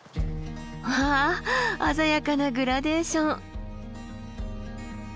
わあ鮮やかなグラデーション。